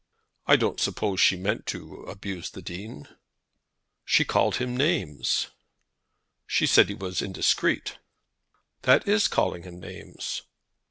"I don't suppose she meant to abuse the Dean." "She called him names." "She said he was indiscreet." "That is calling him names."